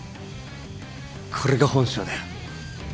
これが本性だよ。